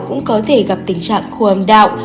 cũng có thể gặp tình trạng khô âm đạo